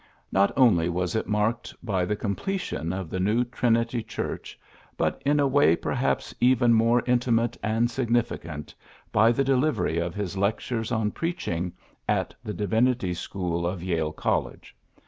I^ot only was it marked by the completion of the new Trinity Church, but in a way perhaps even more intimate and significant, by the delivery of his Lectures on Freaching at the Divinity School of Yale College.